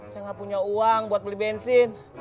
saya nggak punya uang buat beli bensin